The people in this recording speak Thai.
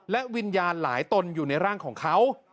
และวิญญาณหลายตนอยู่ในร่างของเขา